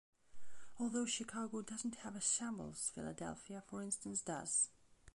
Although Chicago doesn't have a Shambles, Philadelphia, for instance, does.